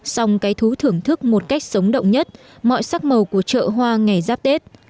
song cái thú thưởng thức một cách sống động nhất mọi sắc màu của chợ hoa ngày giáp tết